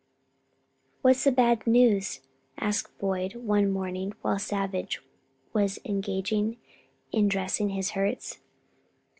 "What's the news?" asked Boyd one morning while Savage was engaged in dressing his hurts.